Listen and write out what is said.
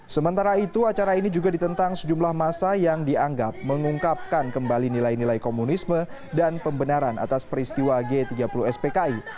sementara itu acara ini juga ditentang sejumlah masa yang dianggap mengungkapkan kembali nilai nilai komunisme dan pembenaran atas peristiwa g tiga puluh spki